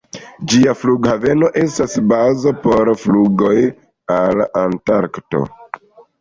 Ĝia flughaveno estas bazo por flugoj al Antarkto.